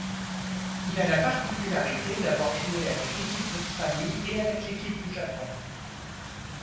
Il a la particularité d'avoir joué avec l'équipe d'Australie et avec l'équipe du Japon.